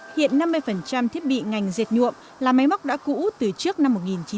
hiện năm mươi thiết bị ngành dẹp nhuộm là máy móc đã cũ từ trước năm một nghìn chín trăm chín mươi sáu